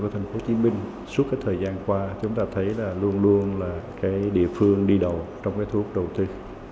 thành phố hồ chí minh suốt thời gian qua chúng ta thấy là luôn luôn là địa phương đi đầu trong thuốc đầu tư